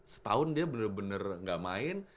setahun dia bener bener gak main